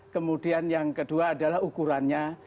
kemudian yang kedua adalah ukurannya